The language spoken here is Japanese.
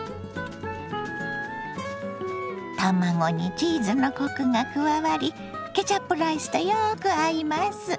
卵にチーズのコクが加わりケチャップライスとよく合います。